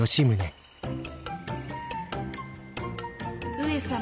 上様